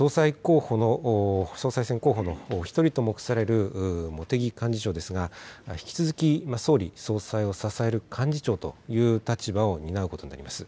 総裁選の１人と目される茂木幹事長ですが、引き続き、総理・総裁を支える幹事長という立場を担うことになります。